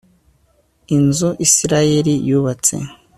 inzu isirayeli yubatse